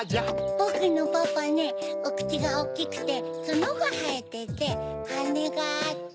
ぼくのパパねおくちがおっきくてツノがはえててはねがあって。